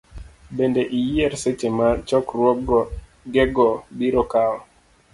Bende, iyier seche ma chokruogego biro kawo .